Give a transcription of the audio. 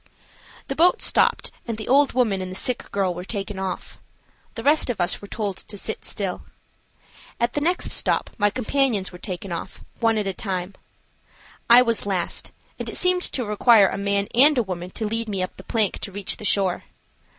The boat stopped and the old woman and the sick girl were taken off. The rest of us were told to sit still. At the next stop my companions were taken off, one at a time. I was last, and it seemed to require a man and a woman to lead me up the plank to reach the shore.